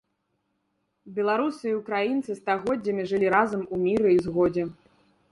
Беларусы і ўкраінцы стагоддзямі жылі разам у міры і згодзе.